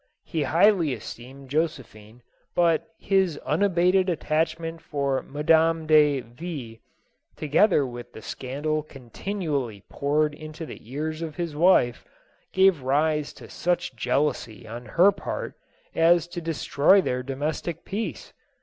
He highly esteemed Josephine, but his un abated attachment for Madame de V ...., together with the scandal continually poured into the ears of his wife, gave rise to such jealousy on her part as to de stroy their domestic peace.